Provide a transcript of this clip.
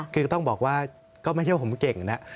คือก็ต้องบอกว่าก็ไม่ใช่ว่าผมเก่งนะ